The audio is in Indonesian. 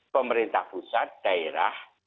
pemerintah pusat daerah